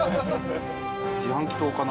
自販機島かな？